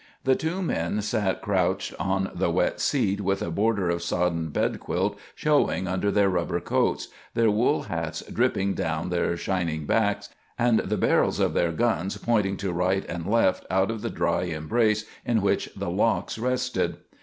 The two men sat crouched on the wet seat, with a border of sodden bedquilt showing under their rubber coats, their wool hats dripping down their shining backs, and the barrels of their guns pointing to right and left out of the dry embrace in which the locks rested.